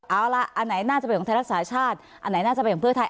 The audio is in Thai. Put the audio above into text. เอาล่ะอันไหนน่าจะเป็นของไทยรักษาชาติอันไหนน่าจะเป็นของเพื่อไทย